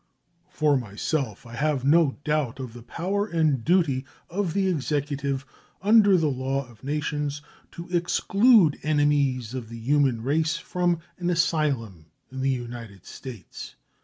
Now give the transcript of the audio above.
For myself, I have no doubt of the power and duty of the Executive, under the law of nations, to exclude enemies of the human race from an asylum in the United States.